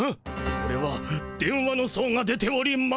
これは「電話」の相が出ております。